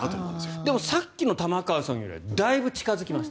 でもさっきの玉川さんよりはだいぶ近付きました。